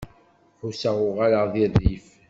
Ḥusseɣ uɣaleɣ di rrif.